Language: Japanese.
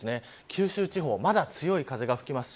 九州地方まだ強い風が吹きます。